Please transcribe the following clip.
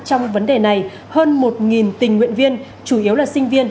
trong vấn đề này hơn một tình nguyện viên